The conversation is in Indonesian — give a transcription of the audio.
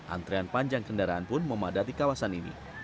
antrian panjang kendaraan pun memadati kawasan ini